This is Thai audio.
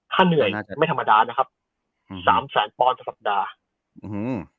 ค่าเหนื่อยไม่ธรรมดานะครับ๓๐๐๐๐๐ปอนดิ์ทั้งสัปดาห์